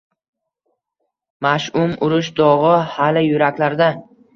Mash’um urush dog’i hali yuraklarda.